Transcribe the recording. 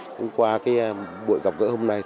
nhưng qua buổi gặp gỡ hôm nay